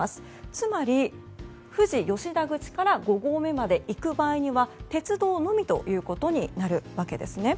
つまり、富士吉田口から５合目まで行く場合には鉄道のみということになるわけです。